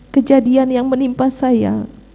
kejadian yang menimpa saya